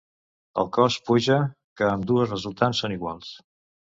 El cos puja fins que ambdues resultants són iguals.